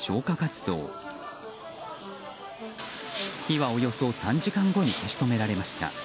火はおよそ３時間後に消し止められました。